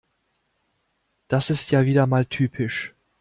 Das ist ja wieder mal typisch.